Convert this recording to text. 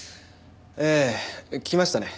ええ来ましたね。